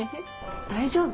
大丈夫？